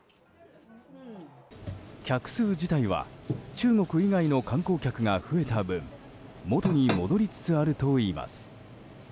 客数自体は中国以外の観光客が増えた分元に戻りつつあるといいます。